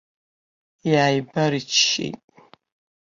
Иааибарччеит.